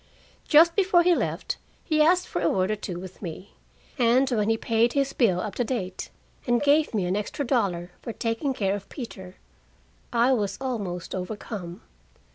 Just before he left, he asked for a word or two with me, and when he paid his bill up to date, and gave me an extra dollar for taking care of Peter, I was almost overcome.